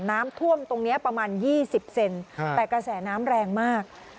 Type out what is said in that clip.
น้ำท่วมตรงนี้ประมาณ๒๐เซนแต่กระแสน้ำแรงมาก